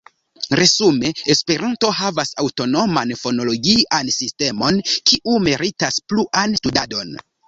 Resume, Esperanto havas aŭtonoman fonologian sistemon, kiu meritas pluan studadon.